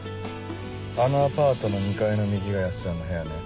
あのアパートの２階の右が安田の部屋ね。